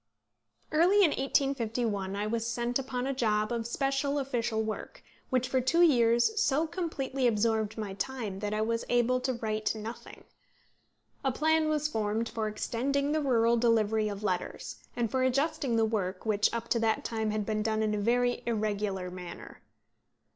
Early in 1851 I was sent upon a job of special official work, which for two years so completely absorbed my time that I was able to write nothing. A plan was formed for extending the rural delivery of letters, and for adjusting the work, which up to that time had been done in a very irregular manner.